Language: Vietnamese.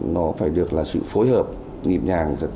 nó phải được là sự phối hợp nghiệp nhàng